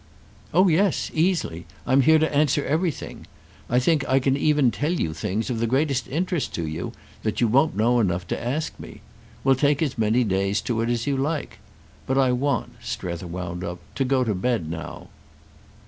"Oh yes—easily. I'm here to answer everything. I think I can even tell you things, of the greatest interest to you, that you won't know enough to ask me. We'll take as many days to it as you like. But I want," Strether wound up, "to go to bed now."